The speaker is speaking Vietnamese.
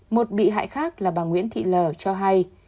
một bị hại khác là bà nguyễn thị lờ cho hay